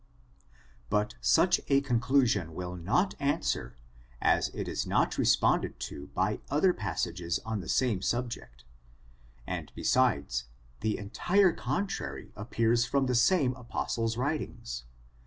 But such a conclusion will not answer, as it is not responded to by other passsages on the same sub ject— and, besides, the entire contrary appears from the same apostle's writings.